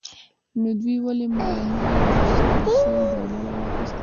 نو دوی ولې مانه یو سل او شل ډالره واخیستل.